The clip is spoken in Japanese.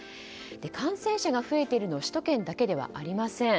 感染者が増えているのは首都圏だけではありません。